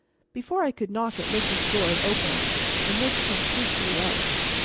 Before I could knock at Lys's door it opened, and Lys came hastily out.